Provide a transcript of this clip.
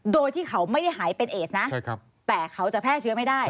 โดยที่เขาไม่ได้หายเป็นเอสนะแต่เขาจะแพร่เชื้อไม่ได้